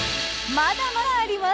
まだまだあります